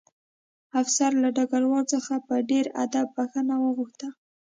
افسر له ډګروال څخه په ډېر ادب بښنه وغوښته